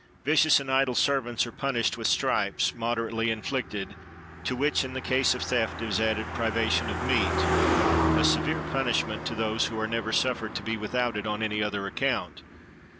Vicious and idle servants are punished with stripes, moderately inflicted; to which, in the case of theft, is added privation of meat, a severe punishment to those who are never suffered to be without it on any other account.